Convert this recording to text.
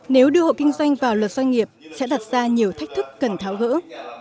nếu đưa hộ kinh doanh vào luật doanh nghiệp sẽ đặt ra nhiều thách thức cần tháo gỡ